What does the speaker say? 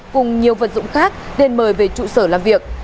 cùng nhiều vật dụng khác nên mời về trụ sở làm việc